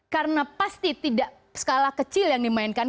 karena pasti tidak skala kecil yang dimainkan